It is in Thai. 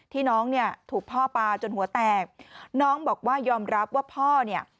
น้องเนี่ยถูกพ่อปลาจนหัวแตกน้องบอกว่ายอมรับว่าพ่อเนี่ย